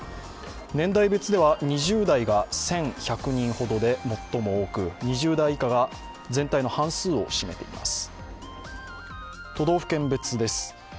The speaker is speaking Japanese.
年代別では、２０代が１１００人ほどで最も多く２０代以下が全体の半数を占めています。